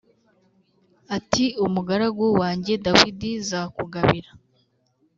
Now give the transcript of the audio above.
ati ‘Umugaragu wanjye Dawidi zakugabira